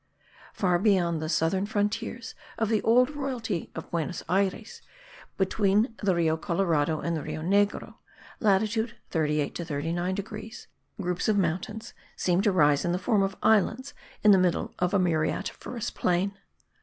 Far beyond the southern frontiers of the old viceroyalty of Buenos Ayres, between the Rio Colorado and the Rio Negro (latitude 38 to 39 degrees) groups of mountains seem to rise in the form of islands in the middle of a muriatiferous plain.